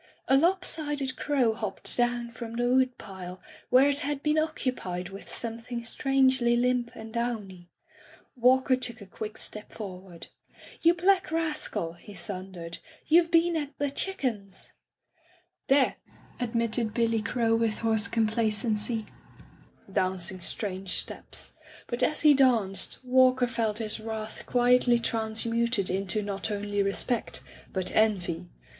A lop sided crow hopped down from the wood pile, where it had been occupied with something strangely limp and downy. Walker took a quick step forward. ^ "You black rascal," he thundered,' "you've been at the chickens!" [ 344 ] V V Digitized by LjOOQ IC By the Sawyer Method "There!'' admitted Billy Crow with hoarse complacency, dancing strange steps; but as he danced, Walker felt his wrath quietly transmuted into not only respect, but envy.